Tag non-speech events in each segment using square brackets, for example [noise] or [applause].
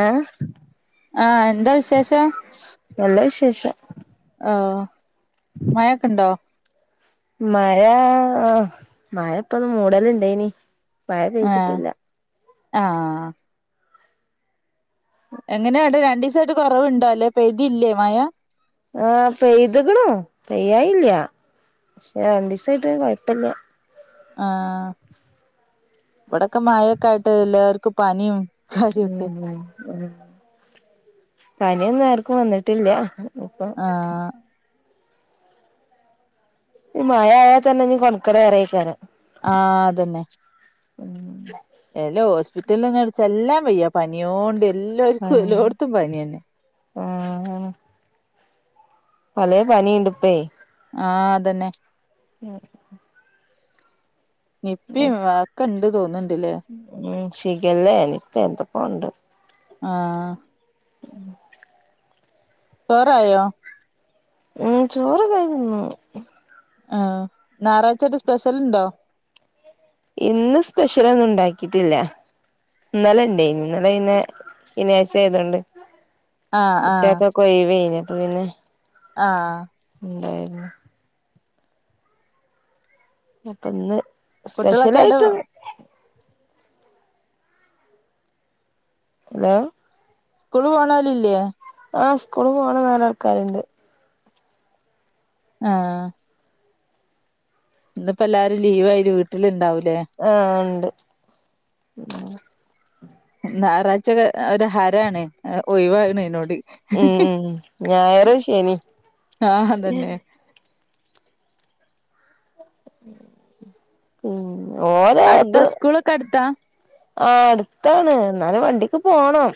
ആ ആ എന്താ വിശേഷം നല്ല വിശേഷം ഒ മഴൊക്കെ ഇണ്ടോ മഴ ആ മഴ ഇപ്പ ഒന്ന് മൂടല് ഇണ്ടേനി മഴ പെയ്തിട്ടില്ല ആ ആ എങ്ങനെയാണ്ട് രണ്ടു ദിവസായിട്ട് കുറവുണ്ടോ അല്ലേ പെയ്യ്തില്ലേ മഴ ആ പെയ്തുകുണു പെയ്യായില്ല പക്ഷെ രണ്ട് ദിവസമായിട്ട് കുഴപ്പില്ല ആ ഇവിടെക്കെ മഴൊക്കെ ആയിട്ട് എല്ലാവർക്കും പനിയും ഉം കാര്യൊക്കെ ഉം പനിയൊന്നും ആർക്കും വന്നിട്ടില്ല ഇപ്പൊ ആ ഈ മഴായയാൽ തന്നെ നീ ആ അത് ന്നെ ഉം എല്ല ഹോസ്പിറ്റലൊന്ന് ചെല്ലാൻ വയ്യ പനിയോണ്ട് എല്ലാവർക്കും എല്ലോടത്തും പനി തന്നെ ആ പലെ പനിയുണ്ട് ഇപ്പൊ ആ അതന്നെ ആ നിപ്പയൊയും ഒക്കെ ഉണ്ട് തോന്നുന്നുണ്ടല്ലോ ശിഖല്ലേ ഇപ്പൊ എന്തൊക്കെയുണ്ട് ആ ഉം ചോറായോ ഉം ചോറ് കഴുന്നു ആ ഞായറാഴ്ചയായിട്ടു സ്പെഷ്യൽണ്ടോ ഇന്ന് സ്പെഷ്യൽ ഒന്നും ഉണ്ടാക്കിട്ടില്ല ഇന്നലെ ഇണ്ടെ ഇന്നലെ പിന്നെ ശനിയാഴ്ച്ച ആയോണ്ട് ആഹ് കുട്ടിയെക്കൊക്കെ ഒഴിവെനു അപ്പൊ പിന്നെ ആ [unintelligible] അപ്പന്ന് കുട്ടികളൊക്കെ എവിടെ സ്പെഷ്യൽയിട്ട്ന്ന് ഹലോ സ്കൂള് പോണോലില്ലേ ആഹ് സ്കൂള് പോണ നാലാൾക്കാര്ണ്ട് ആഹ് ഇന്ന്പ്പോ എല്ലാരും ലീവായിട്ട് വീട്ടില് ണ്ടാവും ആഹ് ണ്ട് ഞായറാഴ്ചൊക്കെ ഒര് ഹരാണ് ഒഴിവാണീനോട് ഉം ഉം ഞായറ് ശനി ആഹ് അതന്നെ ഉം അടുത്താ ഓലത് സ്കൂളൊക്കെ അടുത്താ ആട്ത്താണ് എന്നാലും വണ്ടി ക്ക് പോണം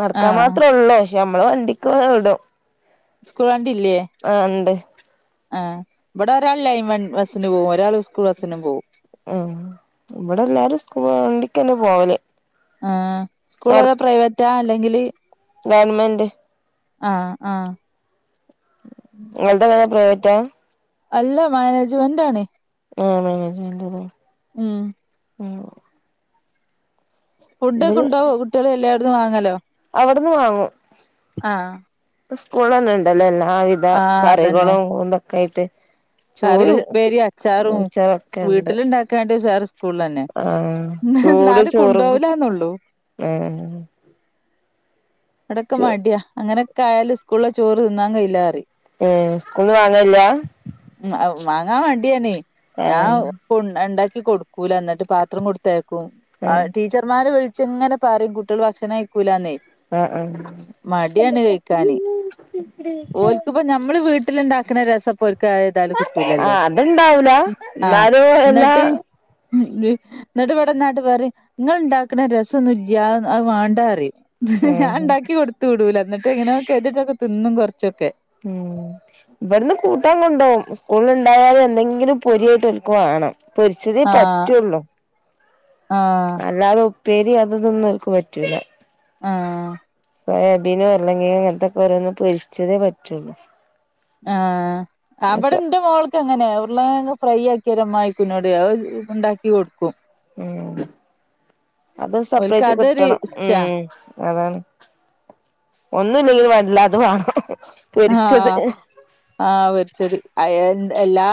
നടക്കാൻ ആഹ് മാത്രേള്ളൂ പക്ഷെ നമ്മള് വണ്ടിക്ക് വിടും സ്കൂള ആഹ് ണ്ട് ആ ഇവിടെ ഒരാൾ ലൈൻ ബസ്സിന് പോവും ഒരാൾ സ്കൂൾ ബസ്സിന് പോവും ഉം ക്ക്ന്ന് പോവല് ആഹ് സ്കൂളേതാ പ്രൈവറ്റാ അല്ലെങ്കില് ഗവൺമെന്റ് ആഹ് ആ നിങ്ങൾതൊക്കെ പ്രൈവറ്റാ അല്ല മാനേജ്മെന്റ് ആണ് ആഹ് മാനേജ്മെൻ്റാണ് ഉം ഫുഡോക്കെ കൊണ്ടോവോ കുട്ട്യാളെ ല്ലേ അവടന്ന് വാങ്ങലോ അവിടുന്ന് ആഹ് സ്കൂള്ലെന്നെ ഇണ്ടല്ലോ എല്ലാവിധ ആഹ് അതന്നെ കറികളും തൊക്കെആയിട്ട് കറി ചൂട് ഉപ്പേരി അച്ചാറും മൂച്ചറൊക്കെ ണ്ട് വീട്ടിലുണ്ടാക്കാണ്ട് വേറെ സ്കൂളിൽ തന്നെ ആഹ് ചൂട് എന്നാലും ചോറുകും കൊണ്ടോവൂലാന്നൊള്ളൂ ആഹ് ടക്ക ചൂ മടിയാ അങ്ങനെക്കെ ആയാലും സ്കൂളിലെ ചോറ് തിന്നാൻ കയ്യിലാന്നറിം ഏ സ്കൂൾന്ന് വാങ്ങല് ല്ല്യ ഉം വാങ്ങാൻ മടിയാണ് ഞാൻ ആഹ് ണ്ട് ണ്ടാക്കി കൊടുക്കൂല ന്നിട്ട് പാത്രം കൊടുത്തേയ ക്കും ആഹ് ടീച്ചർമാര് വിളിച്ച് ങ്ങനെ പറയും കുട്ട്യാള് ഭക്ഷണം കയ്ക്കൂലാന്നെ ഉം ഉം മട്യാണ് കഴിക്കാന് ഓൽക്ക്പ്പോ ഞമ്മള് വീട്ടിലുണ്ടാക്ക്ണ രസപ്പോൽക്ക് ന്തായാലു കിട്ടൂലല്ലോ ആഹ് അത്ണ്ടാവൂല ആഹ് എന്നാലും എല്ലാ ന്നിട്ട് ഉം ന്നിട്ട്ബടെന്ന്ആണ്ട് പറിം ങ്ങള് ണ്ടാക്കണ രസൊന്നുല്ല്യ അത് വാണ്ടാഅറിം ഞാ ആഹ് ണ്ടാക്കി കൊടുത്ത് വിടൂല ന്നിട്ട് ങ്ങനോം കെതിട്ടൊക്കെ ത് ന്നും കൊറച്ചൊക്കെ ഉം ഇവട്ന്ന് കൂട്ടാൻ കൊണ്ടോവും സ്കൂളിൽ ണ്ടായാലും എന്തെങ്കിലും പൊരിയായിട്ട് ഓന്ക്ക് വാണം പൊരിച്ചതേ ആഹ് പറ്റുള്ളൂ ആഹ് അല്ലാതെ ഉപ്പേരി അതിതൊന്നും ഓൽ ക്ക് പറ്റൂല ആഹ് സോയാബീനൊ ഉര്ളകിഴങ്ങ് ങ്ങനത്തെക്കെ ഓരോന്ന് പൊരിച്ചതേ പറ്റുള്ളൂ ആ അവിടെന്റെ മോൾക്ക് അങ്ങനെയ മ്മള് ഫ്രൈ ആക്കി അരമണിക്കൂറിനോട് ഉണ്ടാക്കി കൊടുക്കും ഉം അത് ഓൽക്ക് സെപ്പറേറ്റ് അതൊരു കിട്ടണം ഇഷ്ടാ ഉം അതാണ് ഒന്നുംല്ലെങ്കിലും വേണ്ടില്ലാ അത് വാണം ആഹ് ആ വച്ചരി അയേൺ എല്ലാ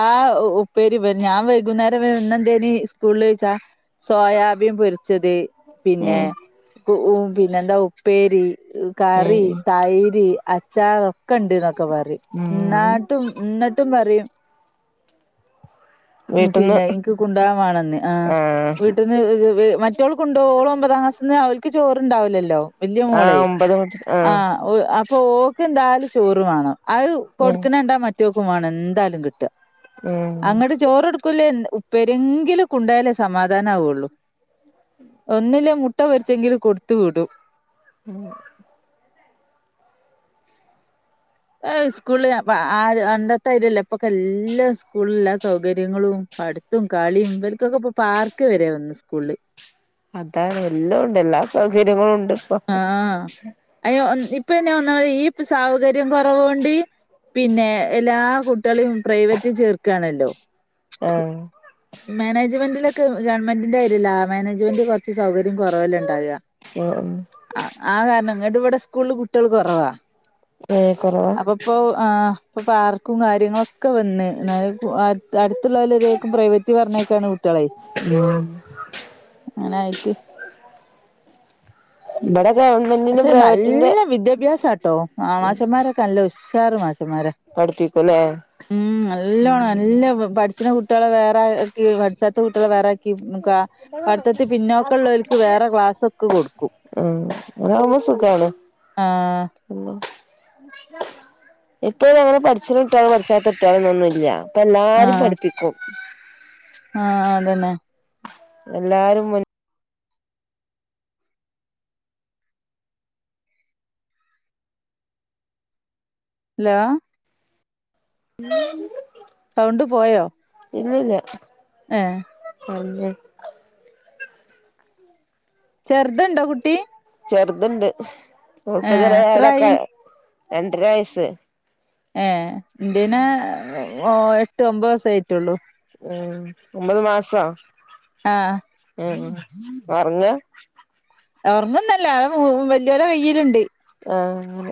ഉപ്പേരിം വൻ ഞാൻ വൈകുന്നേരം ന്ന്ന്തേനി സ്കൂളി ചോയ്ച്ച സോയാബീൻ പൊരിച്ചത് പിന്നെ ഉം പിന്നെ എന്താ ഉപ്പേരി ഉം കറി തൈര് അച്ചാറൊക്കെ ണ്ട്ന്നറിം ക്കെപറിം ഉം ന്നാട്ടും ന്നട്ടും പറിം ഉം വീട്ടിന്ന് പിന്നെ ഇൻക്ക് കൊണ്ടാകൻമാണെന്ന് ആ ആഹ് വീട്ടന്ന് മറ്റോൾ കൊണ്ട ഓളോ ഒമ്പതാം ക്ലാസിന് അവൾക്ക് ചോറണ്ടാവില്ലല്ലോ വലിയ മോളെ ആഹ് ഒമ്പത് മണി ആഹ് ആഹ പോക്ക് എന്തായാലും ചോറ് വേണം അത് ഉം കൊടുക്കണ ണ്ടാ മറ്റുവോക്കും വേണം എന്തായാലും കിട്ടും ഉം ടുക്കലേ ഉപ്പേരെങ്കിലും കൊണ്ടോയാലേ സമാധാനം ആവുള്ളു ഒന്നൂല്ലേ മുട്ട പൊരിച്ചെങ്കിലും കൊടുത്തു വിടും ഉം സ്കൂള ആ പണ്ടത്തെ അര്യല്ല ഇപ്പൊക്ക എല്ലാ സ്കൂളില എല്ലാ സൗകര്യങ്ങളും പടുത്തും കളിയും ഇവർക്കൊക്കെ ഇപ്പൊ പാർക്ക് വരെ വന്ന് സ്കൂള് അതാണ് എല്ലാം ഉണ്ട് എല്ലാ സൗകര്യങ്ങളും ഉണ്ട് ഇപ്പൊ ആഹ അയ ഇപ്പന്നാ ഒന്നാ ഈ സൗകര്യം കുറവണ്ട് പിന്നെ എല്ലാ കുട്ടികളെയും പ്രൈവറ്റിൽ ചേർകാണല്ലോ ആഹ് ഉം മാനേജ്മെൻ്റ് ഗവർമെന്റിന്റെ കാര്യല്ല മാനേജ്മെന്റ് കൊറച്ച് സൗകര്യം കുറവല്ല ഉണ്ടാവ ഉം ആ ആ കാരണം ഇങ്ങട്ട് ഇവിടെ സ്കൂളില് കുട്ടികൾ കുറവാ ഏഹ് കൊറവാ അപ്പപ്പോ ആ പാർക്കും കാര്യങ്ങളൊക്കെ വന്ന് എന്നാല് അടുത്തുള്ളവറിലേക്കും പ്രൈവറ്റ് പറഞ്ഞയക്കാണ് കുട്ടികളെ ഉം അങ്ങനെ ആയിട്ട് ബട പക്ഷെ നല്ല വിദ്യാഭ്യാസാട്ടോ ആ മാശന്മാരൊക്കെ നല്ല ഉഷാറാ മാസ മാര പഠിപ്പിക്കുംല്ലേ ഉ നല്ലണം നല്ല പഠിച്ച കു കുട്ടിള വേറെ പഠിച്ചാത്ത കുട്ടികളെ വേറെ പഠിത്തത്തി പിന്നോക്കള്ളവർക്ക് വേറെ ക്ലാസ്സ് ഒക്കെ കൊടുക്കും അതാവുമ്പോ സുഖാണ് ആഹ് എപ്പോഴും അങ്ങനെ പഠി പടിച്ചകുട്ടിളും പഠിച്ചാത്ത കുട്ടികളന്നൊന്നും ഇല്ല അപ്പൊ എല്ലാരും പഠിപ്പിക്കും ആഹ അതന്നെ എല്ലാരും ഹലോ [unintelligible] സൗണ്ട് പോയോ ഇല്ല ഇല്ല ആഹ ഒറങ്ങിയോ ചെറുത്ണ്ടോ കുട്ടി ചെറുത്ണ്ട് ഏഹ് എത്രായി [unintelligible] രണ്ടര വയസ് ഏ ഇണ്ടീന് എട്ട് ഒമ്പത് ദിവസ ആയിട്ടുള്ളൂ ഉം ഒമ്പത് മാസോ ആഹ ഉം ഒറങ്ങ ഉറങ്ങുന്നല്ല അ വലിയവരെടെ കയിലുണ്ട് ആഹ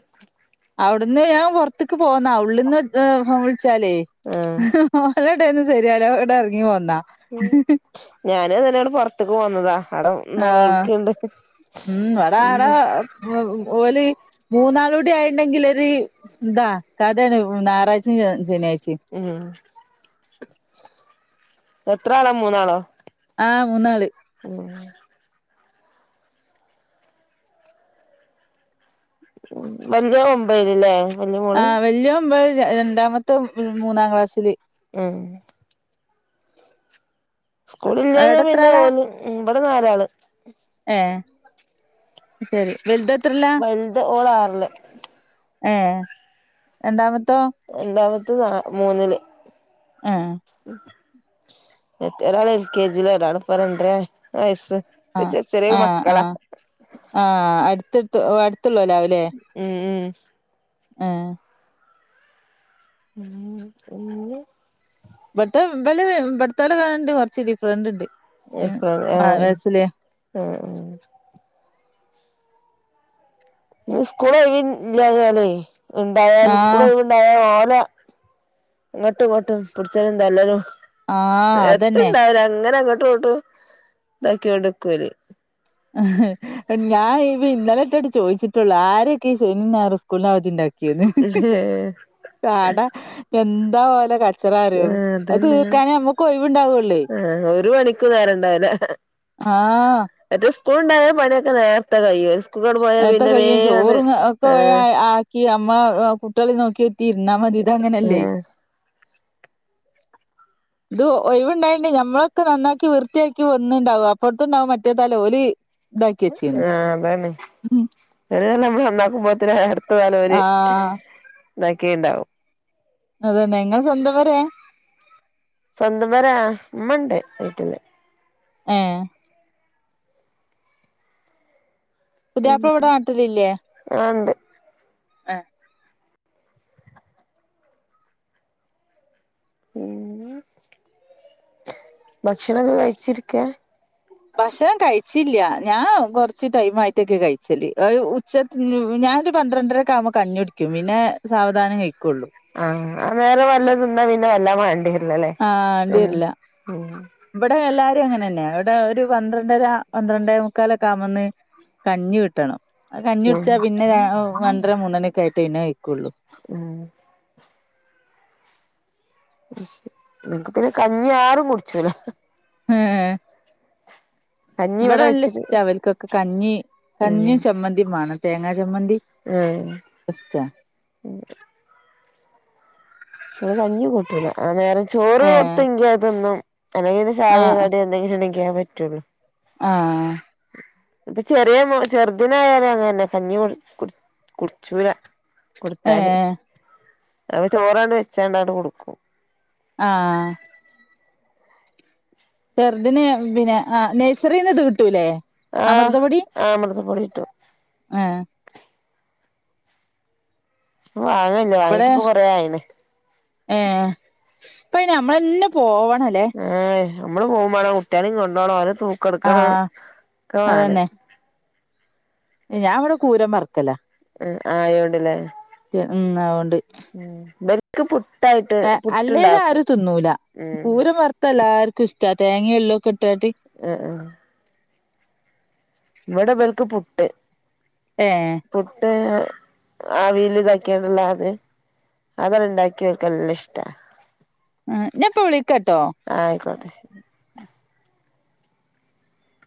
അവിടുന്ന് ഞാൻ പുറത്തേക്ക് പോന്നാ ഉള്ളിൽന്ന് ഫോൺ വിളിച്ചാലേ ആഹ് ഇവരുടെ എടെന്ന് ശെരിയാവില്ല ഇവിടെ ഇറങ്ങി വന്നാ ഉ ഞാന് അങ്ങനെയാണ് പുറതേക്ക് പോന്നതാ അവിടെ ആഹ നൊളോളിക്ക്ണ്ട് ഉം വട ആട ഉം ഓല് മൂന്നാളൂടി ആയിണ്ടെങ്കിൽ ഒരു ന്താ കഥയാണ് ഞായറാഴ്ച ശനിയാഴ്ച ഉം എത്ര ആളാ മൂന്നാളോ ആഹ് മൂന്നാള്ല് ഉം മഞ്ച മുമ്പൈലില്ലേ ആ വലിയോമ്പ രണ്ടാമത്തോ മൂന്നാം ക്ലാസ്സില് മ്മ് സ്കൂഇില്ലഞ്ഞാ പിന്നെ ഏടെത്രാളാ ഓന് ഇവിടെ നാലാള് ഏ ശരി വലുതെത്രേലാ വലുത ഓളാറില് ഏ രണ്ടാമത് രണ്ടാമത്തെ ന മൂന്നില് ആ എറ്റ എറള എൽ കേ ജില എരളിപ്പ രണ്ടര വയസ് ആ ആഹ് ആ ആ അടുത്തടുത്തടു ഉം ഉം ആ ഉം ഉ ഭട്ത്ത വല ഭട്ത്തല താണ്ട് കൊറച്ച് ഡിഫറന്റ് ണ്ട് എ ആ ആ ഇ സ്കൂൾ ഒഴിവ് ഇല്ലാഞ്ഞാലേ ണ്ടായല് സ്കൂൾ ആഹ് ഒഴിവ് ഇണ്ടായ ഓ ലാ ഇങ്ങോട്ടും ഇങ്ങോട്ടും പിടിച്ചലും തല്ലലും ആഹ് അതന്നെ എതുണ്ടവൂല അങ്ങനെ അങ്ങട്ട് ഇങ്ങട്ട് ഇതാക്കി കൊണ്ട്ക്കല് ഹ് ഞൻ ഇ ഇന്നലെ ഇറ്റഡ് ചോയിച്ചിട്ടുള്ളൂ ആരൊക്കെ ഈ ശനി ഞായറും സ്കൂലിന് അവതിണ്ടാ കിന്ന് കാട എന്താ ഓലെ കച് ചറാറോ അത് അതന്നെ തീർക്കാനേ നമ്മക്ക് ഒഴിവുണ്ടാവുള്ളേ ആ ഒരു പണിക്ക് നേരണ്ടാവില്ല ആ കൂൾ ണ്ടായ പണിയൊക്കെ നേർത്ത കഴിയുവ ത്ത കയ്യും ചോറും ഒക്കെ ആ ആ ക്കി അമ്മ കുട്ടിആളീം നോക്കി തീരുന്നാ മതി ഇതങ്ങനെയല്ലേ ആ ഇത് ഒഴിവുണ്ടായിണ്ട് ഞമ്മളൊക്കെ നന്നാക്കി വൃത്തിയാക്കി വന്നി ണ്ടാവും അപ്പഴത്തുണ്ടാവും മറ്റേതല ഓല് ഇതാക്കി വെച്ചീണ് ആ അതാനെ ശരിതല്ലാം നമ്മള് നന്നാക്കുംപോത്തിനെ ആഡ് പാലര് ആഹ് താക്കിണ്ടാവും അതെന്നെ ഇങ്ങള് സ്വന്തം വര സ്വന്തം വരാ ഉമ്മണ്ട് വീട്ടില് ഏ പുതിയപ്പള ഇവിടെ നാട്ടിലി ല്ലേ ആ ഉണ്ട് ഏ ഉ ഭക്ഷണംക്കെ കഴിച്ചിരിക്ക ഭക്ഷണം കഴിച്ചില്ല ഞാൻ കുറച്ച് ടൈം ആയിട്ടൊക്കെ കഴിച്ചല് ഉച്ച തി ഞ ഞാനൊരു പന്ത്രണ്ടരക്കെ ആക്മ്പോ കഞ്ഞിടിക്കും പിന്നെ സാവധാനം കഴിക്കും ആഹ് അ നേരരെ വല്ല തിന്നാ പിന്നെ വല്ല വണ്ടി ആ് വണ്ടിരില്ല ഇവിടെ എല്ലാവ അങ്ങനെന്നെ അവിടെ ഒരു പന്ത്രണ്ടര പന്ത്രണ്ടെ മുക്കാല ഒക്കെ ആമന്ന് കഞ്ഞി കിട്ടണം ഉം കഞ്ഞൊടിച്ചാ പിന്നെ ഒന്ണ്ടര മൂന്നണ ഒക്കെ ആയിട്ട് ഇന ഉ നിക്ക് പിന്നെ കഞ്ഞിയാറും കുടിച്ചല ആഹ കഞ്ഞി ഇവിടെ വെച്ചിട്ട് ഇഷ്ട്ട അവലക്കൊക്കെ കഞ്ഞി ഉം കഞ്ഞിയും ചമ്മന്തിയുംമാണ് തേങ്ങാ ജമ്മതി ഉം ന കഞ്ഞ കൂട്ടൂല ആ നേരം ചോറ് ഏഹ് കൊടുത്തെങ്കി അതൊന്നും അല്ലെങ്കി ചായോ കട എന്തെിലും ഇണങ്കാൻ പറ്റുള്ളൂ ആഹ ഇപ്പൊ ചെറിയ ചെറുദിനായാലും അങ്ങന്നെ കഞ്ഞി കു കുടിച്ചൂല കൊടുത്താല് ഏഹ് അപ്പ ചോറാണ് വെച്ചാണ്ടട്ട കൊടുക്കും ആഹ് ചെറുദന് പിന്നെ ആ നഴ്സറിൽ നിന്ന് ഇത് കിട്ടൂല്ലേ ആഹ് അമൃദപൊടി ആഹ് അമൃതപ്പൊടി കിട്ടും ആഹ വാങ്ങല്ല ഇവിടെ വാങ്ങീട്ട് ഇപ്പൊ കൊറ ആയിണ് ഏ അപ്പ നമ്മളന്നെ പോവണം ഏ് നമ്മള് പോകുമ്പോണോ കുട്ടികളും കൊണ്ടുപോണോ അവന് ആ തൂക്കെടുക്കണം ഒക്കെ വാണ് ഞൻ അവിടെ പൂരം വറക്കല ഉ ആയോണ്ട്ല്ലേ ഉ ആതുകൊണ്ട് ഉം ഇവർക്ക് പു അല്ലേത ആരും തിന്നൂല ഉം പൂര വറുത്തല്ല ആർക്കും ഇഷ്ട തേങ്ങയും എള്ളുംക്കെ ഇട്ട് ഉ ഇവിടെ പേൽക്ക് പുട്ട് ഏ പുട്ട് ആവീൽ ഇതാക്കിണ്ട്ത് അത് ഇവടാണ്ടാക്കിയ ഓൽക്ക് നല്ലഷ്ട ഉ ഇഞാപ്പ വിളിക്കട്ടോ ആയിക്കോട്ടെ ശരി